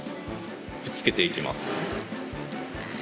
くっつけていきます。